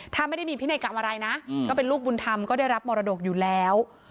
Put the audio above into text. ถ้าไม่ได้มีพินัยกรรมอะไรนะก็เป็นลูกบุญธรรมก็ได้รับมรดกอยู่แล้ว